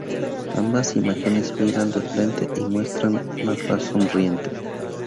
Ambas imágenes miran de frente y muestran una faz sonriente.